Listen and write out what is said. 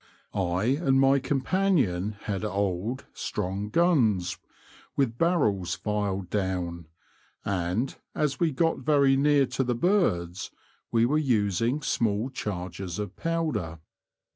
I and my companion had old, strong guns with barrels filed down, and, as we got very near to the birds, we were using small charges of powder.